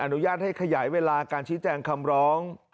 อนุญาตให้ขยายเวลาการชี้แจงคำร้อง